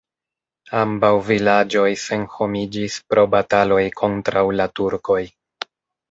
Ambaŭ vilaĝoj senhomiĝis pro bataloj kontraŭ la turkoj.